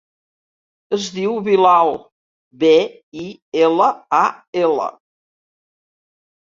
Es diu Bilal: be, i, ela, a, ela.